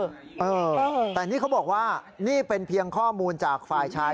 เออแต่นี่เขาบอกว่านี่เป็นเพียงข้อมูลจากฝ่ายชาย